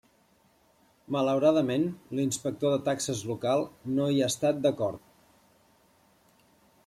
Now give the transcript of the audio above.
Malauradament, l'inspector de taxes local no hi ha estat d'acord.